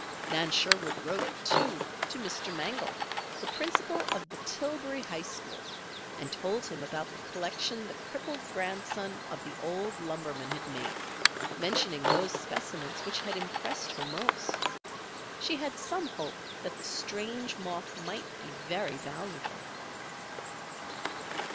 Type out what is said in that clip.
Nan Sherwood wrote, too, to Mr. Mangel, the principal of the Tillbury High School, and told him about the collection the crippled grandson of the old lumberman had made, mentioning those specimens which had impressed her most. She had some hope that the strange moth might be very valuable.